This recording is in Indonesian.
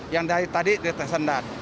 yang dari tadi tersendat